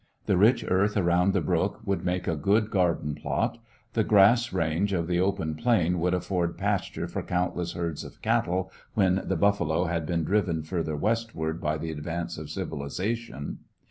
The rich earth around the brook would make a good garden spot. The grass range of the open plain would afford pasture for countless herds of cattle when the buffalo had been driven further west ward by the advance of civilization.